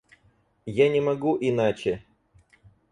Я не могу иначе!